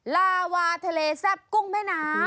ลาวาทะเลแซ่บกุ้งแม่น้ำ